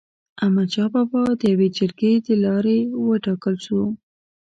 احمد شاه بابا د يوي جرګي د لاري و ټاکل سو.